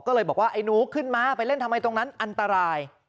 ก็เลยบอกว่าไอ้หนูขึ้นมาไปเล่นทำไมตรงนั้นอันตราย